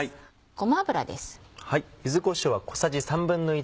ごま油です。